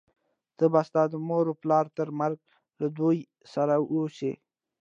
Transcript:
ته به ستا د مور و پلار تر مرګه له دوی سره اوسې،